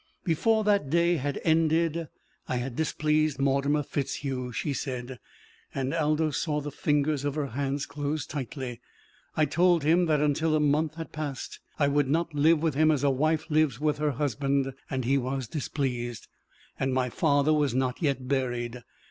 "Before that day had ended I had displeased Mortimer FitzHugh," she said, and Aldous saw the fingers of her hands close tightly. "I told him that until a month had passed I would not live with him as a wife lives with her husband. And he was displeased. And my father was not yet buried!